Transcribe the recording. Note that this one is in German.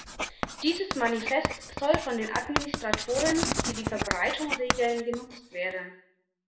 Dieses Manifest soll von den Administratoren, die die Verbreitung regeln, genutzt werden.